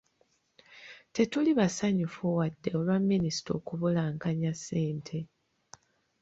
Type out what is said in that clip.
Tetuli basanyufu wadde olwa minisita okubulankanya ssente .